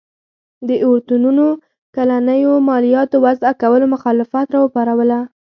د اورتونونو کلنیو مالیاتو وضعه کولو مخالفت راوپاروله.